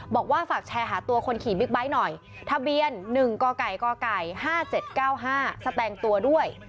บอกว่าฝากแชร์หาตัวคนขี่บิ๊กไบท์หน่อยทะเบียน๑กก๕๗๙๕แสดงตัวด้วย